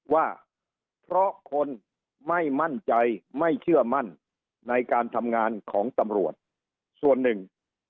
ว่าเพราะคนไม่มั่นใจไม่เชื่อมั่นในการทำงานของตำรวจส่วนหนึ่ง